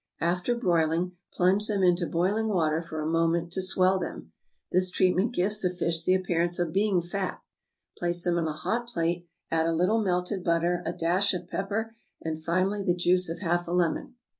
After broiling, plunge them into boiling water for a moment to swell them, this treatment gives the fish the appearance of being fat, place on a hot plate, add a little melted butter, a dash of pepper, and finally the juice of half a lemon.